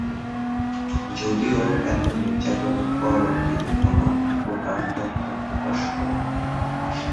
যদিও এতো নির্যাতনের পরও তিনি কোন প্রকার তথ্য প্রকাশ করেননি।